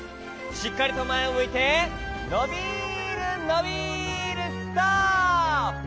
しっかりとまえをむいてのびるのびるストップ！